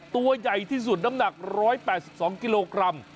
ตัวใหญ่ที่สุดน้ำหนัก๑๘๒กิโลกรัม